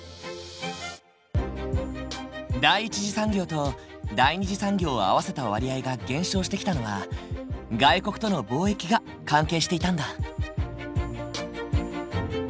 第一次産業と第二次産業を合わせた割合が減少してきたのは外国との貿易が関係していたんだ。